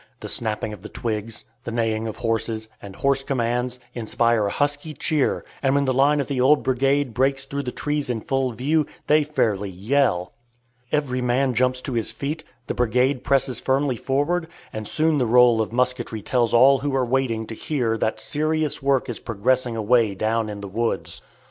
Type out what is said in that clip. The snapping of the twigs, the neighing of horses, and hoarse commands, inspire a husky cheer, and when the line of the old brigade breaks through the trees in full view, they fairly yell! Every man jumps to his feet, the brigade presses firmly forward, and soon the roll of musketry tells all who are waiting to hear that serious work is progressing away down in the woods.